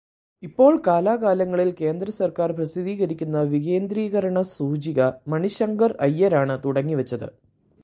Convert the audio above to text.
ഇപ്പോൾ കാലാകാലങ്ങളിൽ കേന്ദ്രസർക്കാർ പ്രസിദ്ധീകരിക്കുന്ന വികേന്ദ്രീകരണസൂചിക മണിശങ്കർ അയ്യരാണു തുടങ്ങിവച്ചത്.